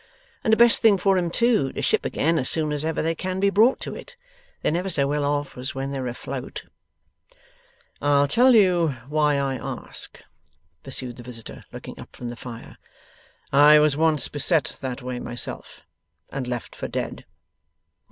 And the best thing for 'em, too, to ship again as soon as ever they can be brought to it. They're never so well off as when they're afloat.' 'I'll tell you why I ask,' pursued the visitor, looking up from the fire. 'I was once beset that way myself, and left for dead.